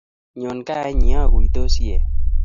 Nyon kaa inye akuitosi ee.